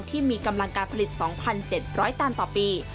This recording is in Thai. ที่มีกำลังการผลิต๒๗๐๐ตันต่อปี